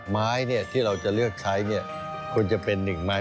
ไม้เนี่ยที่เราจะเลือกใช้เนี่ยควรจะเป็นนี้นะครับ